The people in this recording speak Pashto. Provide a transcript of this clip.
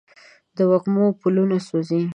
د وږمو پلونه سوزي